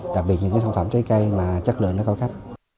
đặc biệt những cái sản phẩm trái cây mà chất lượng nó cao cấp